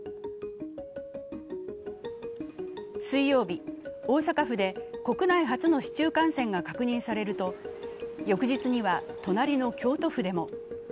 水曜日、大阪府で国内初の市中感染が確認されると翌日には隣の京都府でも。